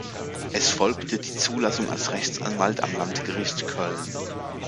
Es folgte die Zulassung als Rechtsanwalt am Landgericht Köln.